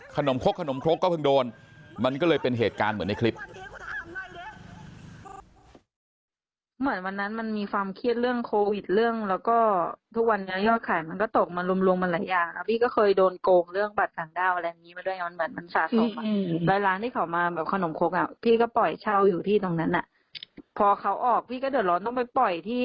คกขนมครกก็เพิ่งโดนมันก็เลยเป็นเหตุการณ์เหมือนในคลิป